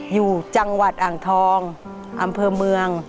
อยู่จังหวัดอ่างทองอำเภอเมือง